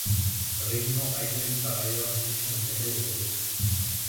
Le régiment accueille par ailleurs une section de cadets de la défense.